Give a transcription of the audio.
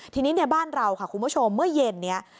ทีนี้ในบ้านเราค่ะคุณผู้ชมเมื่อเย็นนี้